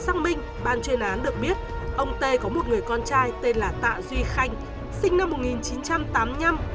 xác minh ban chuyên án được biết ông t có một người con trai tên là tạ duy khanh sinh năm